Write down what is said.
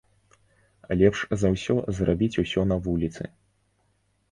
Лепш за ўсё зрабіць усё на вуліцы.